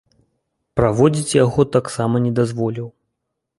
Праводзіць яго таксама не дазволіў.